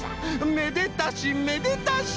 めでたしめでたし！